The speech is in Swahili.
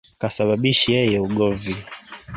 Kasababishi yeye ugovi.